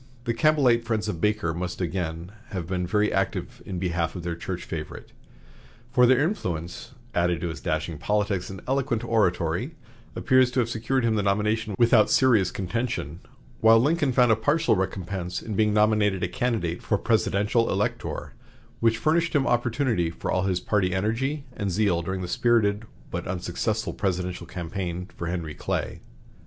The Campbellite friends of Baker must have again been very active in behalf of their church favorite; for their influence, added to his dashing politics and eloquent oratory, appears to have secured him the nomination without serious contention, while Lincoln found a partial recompense in being nominated a candidate for presidential elector, which furnished him opportunity for all his party energy and zeal during the spirited but unsuccessful presidential campaign for Henry Clay.